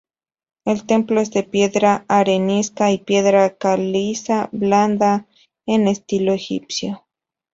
El templo es de piedra arenisca y piedra caliza blanda, en estilo egipcio.